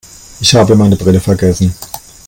Ich habe meine Brille vergessen.